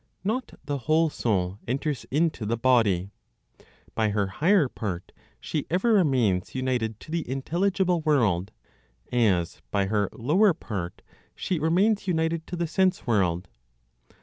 Not the whole soul enters into the body. By her higher part, she ever remains united to the intelligible world; as, by her lower part, she remains united to the sense world.